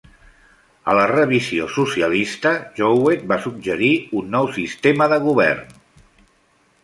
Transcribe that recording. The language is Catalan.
A la "Revisió Socialista" Jowett va suggerir un nou sistema de govern.